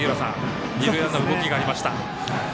二塁ランナー、動きがありました。